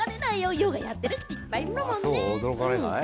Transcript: ヨガやっている人いっぱいいるもんね。